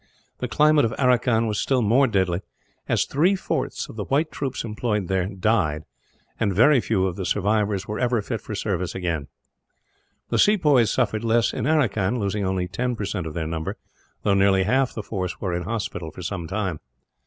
The climate of Aracan was still more deadly, as three fourths of the white troops employed there died, and very few of the survivors were ever fit for service afterwards. The sepoys suffered less in Aracan, losing only ten percent of their number, though nearly half the force were in hospital for some time.